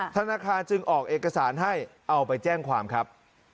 ธนาคารจึงออกเอกสารให้เอาไปแจ้งความครับ